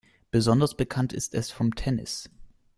Besonders bekannt ist es vom Tennis.